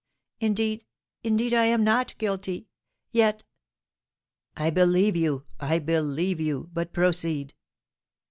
indeed, indeed, I am not guilty; yet " "I believe you I believe you; but proceed."